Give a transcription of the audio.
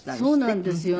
そうなんですよ。